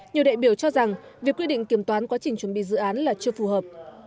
nhiều đại biểu cho rằng việc quy định kiểm toán quá trình chuẩn bị dự án là chưa phù hợp